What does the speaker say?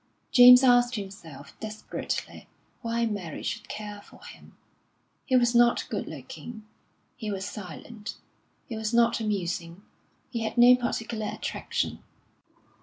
James asked himself desperately why Mary should care for him. He was not good looking; he was silent; he was not amusing; he had no particular attraction.